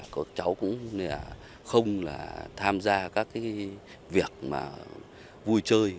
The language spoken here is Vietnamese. cháu cũng không tham gia các việc vui chơi